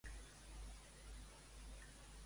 Per on va la Francisca?